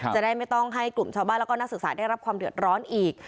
จะได้ไม่ต้องให้กลุ่มชาวบ้านแล้วก็นักศึกษาได้รับความเดือดร้อนอีก